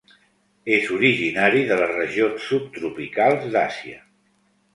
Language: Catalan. És originari de les regions subtropicals d'Àsia.